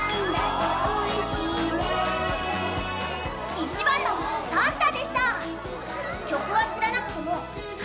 １番のサンタでした。